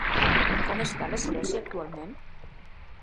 Com està l'espècie actualment?